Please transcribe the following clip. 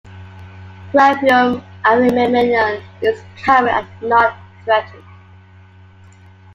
"Graphium agamemnon" is common and not threatened.